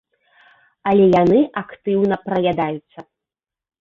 Але яны актыўна праядаюцца.